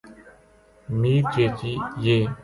میر چیچی یہ